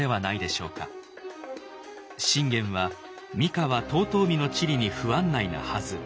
「信玄は三河遠江の地理に不案内なはず。